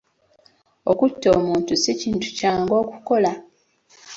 Okutta omuntu si kintu kyangu okukola.